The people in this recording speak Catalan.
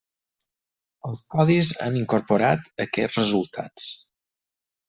Els codis han incorporat aquests resultats.